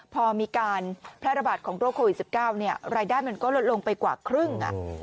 พอมีการแพร่ระบาดของโรคโควิด๑๙รายได้มันก็ลดลงไปกว่าครึ่ง